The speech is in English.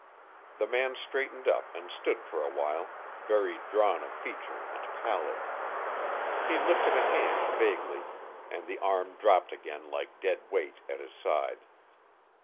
The man straightened up and stood for a while, very drawn of feature and pallid. He lifted a hand vaguely and the arm dropped again like dead weight at his side.